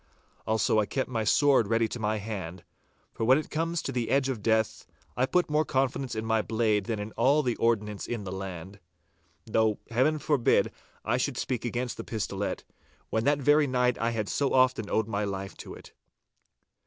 Also I kept my sword ready to my hand, for when it comes to the edge of death, I put more confidence in my blade than in all the ordnance in the land. Though Heaven forbid that I should speak against the pistolet, when that very night I had so often owed my life to it.